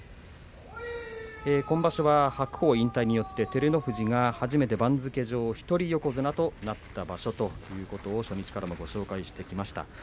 今場所は、白鵬引退によって照ノ富士が初めて番付上一人横綱となった場所を初日からご紹介しています。